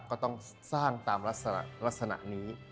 ก็ต้องสร้างตามลักษณะนี้